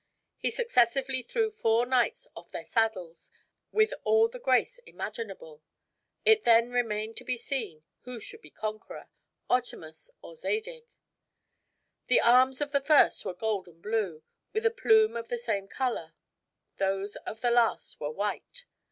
He successively threw four knights off their saddles with all the grace imaginable. It then remained to be seen who should be conqueror, Otamus or Zadig. The arms of the first were gold and blue, with a plume of the same color; those of the last were white.